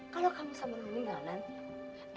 kalau kamu sama nung linggal nanti